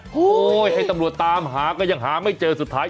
โอ้โหให้ตำรวจตามหาก็ยังหาไม่เจอสุดท้าย